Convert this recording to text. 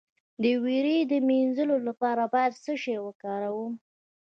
د ویرې د مینځلو لپاره باید څه شی وکاروم؟